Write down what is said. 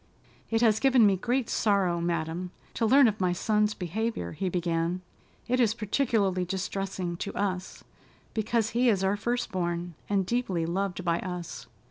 "It has given me great sorrow, madam, to learn of my son's behavior," he began. "It is particularly distressing to us because he is our first born, and deeply loved by us."